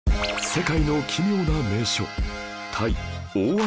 世界の奇妙な名所